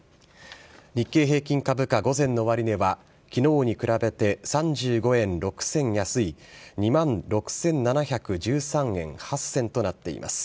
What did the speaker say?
日経平均株価午前の終値は昨日に比べて３５円６銭安い２万６７１３円８銭となっています。